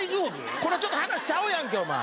これはちょっと話ちゃうやんけお前。